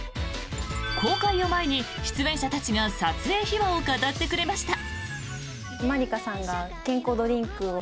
公開を前に出演者たちが撮影秘話を語ってくれました。